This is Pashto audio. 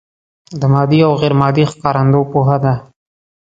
د مادي او غیر مادي ښکارندو پوهه ده.